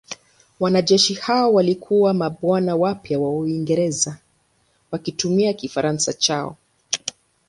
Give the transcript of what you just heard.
Wanajeshi hao walikuwa mabwana wapya wa Uingereza wakitumia Kifaransa chao.